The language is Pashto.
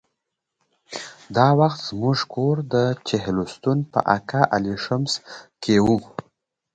دا وخت زموږ کور د چهلستون په اقا علي شمس کې و.